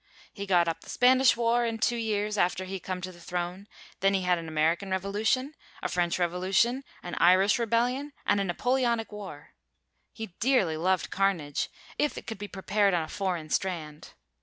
He got up the Spanish war in two years after he clome the throne; then he had an American revolution, a French revolution, an Irish rebellion and a Napoleonic war. He dearly loved carnage, if it could be prepared on a foreign strand.